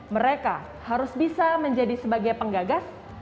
mereka harus bisa menjadi sebagai penggagas